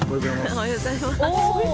おはようございます。